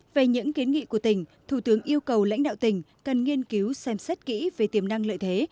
về những kiến nghị của tỉnh thủ tướng yêu cầu lãnh đạo tỉnh cần nghiên cứu xem xét kỹ về tiềm năng lợi thế